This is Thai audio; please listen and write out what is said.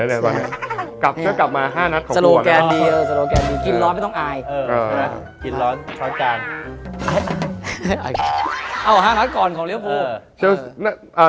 เอ้า๕นัทก่อนของลิ้วภู